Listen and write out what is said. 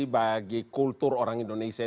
bagi kultur orang indonesia